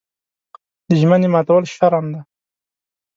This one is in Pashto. د ژمنې ماتول شرم دی.